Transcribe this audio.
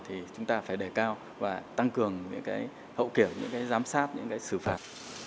thì chúng ta phải đề cao và tăng cường những hậu kiểu những giám sát những xử phạt